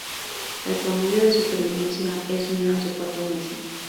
El promedio de supervivencia es menos de cuatro meses.